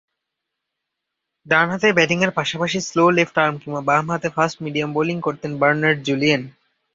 ডানহাতে ব্যাটিংয়ের পাশাপাশি স্লো লেফট-আর্ম কিংবা বামহাতে ফাস্ট-মিডিয়াম বোলিং করতেন বার্নার্ড জুলিয়েন।